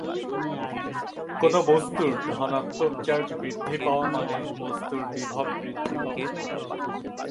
কোনো বস্তুর ধনাত্মক চার্জ বৃদ্ধি পাওয়া মানে বস্তুর বিভব বৃদ্ধি পাওয়া।